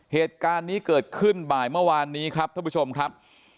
เหตุการณ์นี้เกิดขึ้นบ่ายเมื่อวานนี้ครับท่านผู้ชมครับ